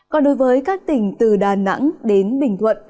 còn đối với các tỉnh từ đà nẵng đến bình thuận